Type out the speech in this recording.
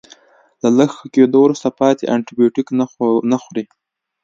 له لږ ښه کیدو وروسته پاتې انټي بیوټیک نه خوري.